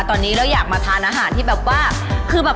ตอนนี้ก็อยากมาทานอาหารที่แบบว่า